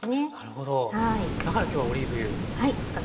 だから今日はオリーブ油なんですね。